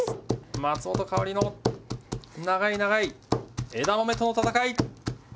松本薫の長い長い枝豆との戦い！